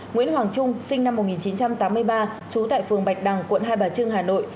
nguyễn hoàng trung sinh năm một nghìn chín trăm tám mươi ba trú tại phường bạch đằng quận hai bà trưng hà nội